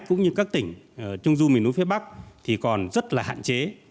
cũng như các tỉnh trung du miền núi phía bắc thì còn rất là hạn chế